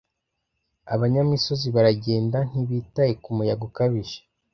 Abanyamisozi baragenda, ntibitaye ku muyaga ukabije.